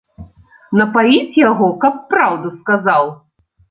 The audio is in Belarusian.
Напаіць яго, каб праўду сказаў?